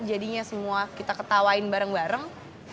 jadinya semua kita ketawain bareng bareng